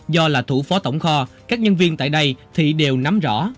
do là thủ phó tổng kho các nhân viên tại đây thị đều nắm rõ